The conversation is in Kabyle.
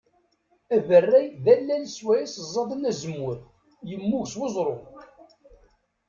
Aberray d allal swayes ẓẓaden azemmur, yemmug s uẓru.